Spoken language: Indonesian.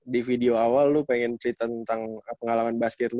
di video awal lu pengen cerita tentang pengalaman basket lu